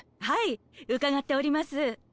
はい伺っております。